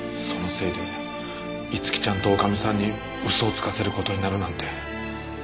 そのせいで逸希ちゃんと女将さんに嘘をつかせる事になるなんて。